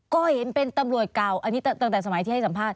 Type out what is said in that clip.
ก็เห็นเป็นตำรวจเก่าอันนี้ตั้งแต่สมัยที่ให้สัมภาษ